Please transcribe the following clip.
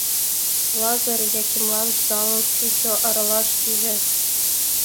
Лазыр Якимлан жалын чучо, аралаш пиже.